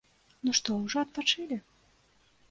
Ну, што, ужо адпачылі?